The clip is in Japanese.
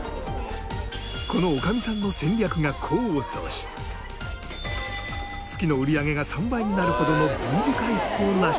この女将さんの戦略が功を奏し月の売り上げが３倍になるほどのＶ字回復を成し遂げた。